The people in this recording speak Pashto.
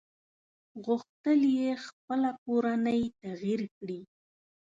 غوښتل يې خپله کورنۍ تغيير کړي.